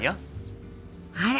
あら！